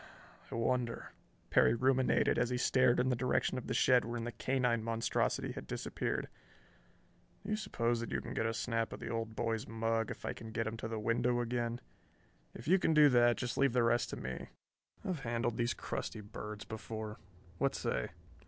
"I wonder," Perry ruminated as he stared in the direction of the shed wherein the canine monstrosity had disappeared. "Do you suppose that you can get a snap of the old boy's mug if I can get him to the window again? If you can do that, just leave the rest to me. I've handled these crusty birds before. What say?"